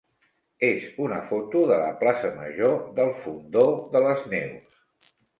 és una foto de la plaça major del Fondó de les Neus.